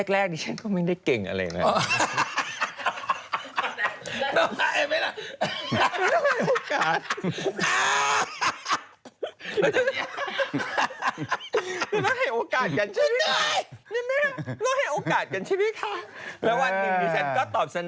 แรกดิฉันก็ไม่ได้เก่งอะไรนะ